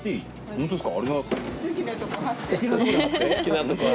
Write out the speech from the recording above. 本当ですか？